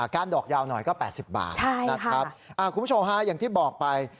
กั้นดอกยาวหน่อยก็แปบ๘๐บาทขุมโชว์ฮาอย่างที่บอกไป